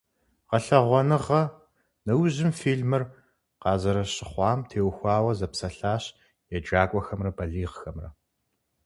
Гъэлъэгъуэныгъэ нэужьым фильмыр къазэрыщыхъуам теухуауэ зэпсэлъащ еджакӀуэхэмрэ балигъхэмрэ.